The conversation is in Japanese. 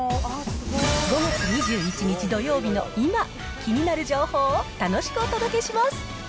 ５月２１日土曜日の今、気になる情報を楽しくお届けします。